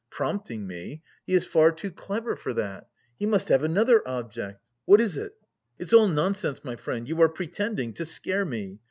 prompting me; he is far too clever for that... he must have another object. What is it? It's all nonsense, my friend, you are pretending, to scare me!